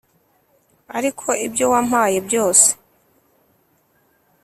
ariko ibyo wampaye byose